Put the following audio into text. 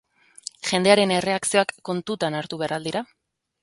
Jendearen erreakzioak kontutan hartu behar al dira?